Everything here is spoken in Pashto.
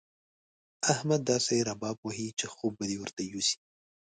احمد داسې رباب وهي چې خوب به دې ورته يوسي.